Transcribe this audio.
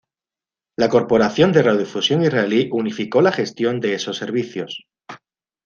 La Corporación de Radiodifusión Israelí unificó la gestión de esos servicios.